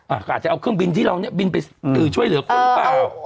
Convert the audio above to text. อาจจะเอาเครื่องบินที่เราเนี่ยบินไปช่วยเหลือคนหรือเปล่า